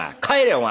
お前！